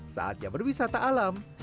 saatnya berwisata alam